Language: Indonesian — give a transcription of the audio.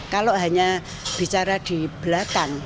kalau hanya bicara di belakang